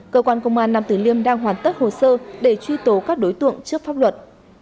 cơ quan công an nam tử liêm đang hoàn tất hồ sơ để truy tố các đối tượng trước pháp luật